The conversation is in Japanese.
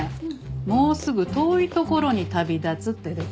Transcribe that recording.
もうすぐ遠い所に旅立つって出てるわ。